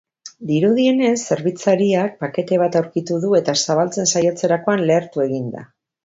Dirudienez, zerbitzariak pakete bat aurkitu du eta zabaltzen saiatzerakoan lehertu egin da.